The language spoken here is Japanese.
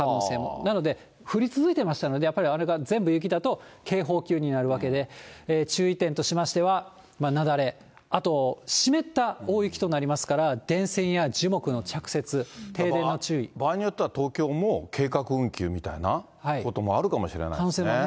なので、降り続いていましたので、やっぱりあれが全部雪だと、警報級になるわけで、注意点としましては、雪崩、あと湿った大雪となりますから、電線や樹木の着雪、場合によっては、東京も計画運休みたいなこともあるかもしれないですね。